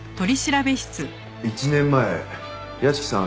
１年前屋敷さん